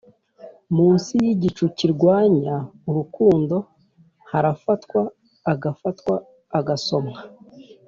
munsi yigicu kirwanya urukundo harafatwa agafatwa agasomwa